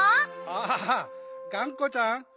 あがんこちゃん。